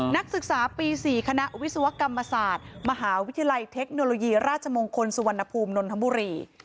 นักศึกษาปี๔คณะวิศวกรรมศาสตร์มหาวิทยาลัยเทคโนโลยีราชมงคลสุวรรณภูมินนทบุรี